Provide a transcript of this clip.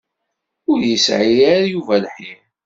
Ur yesɛi ara Yuba lḥir.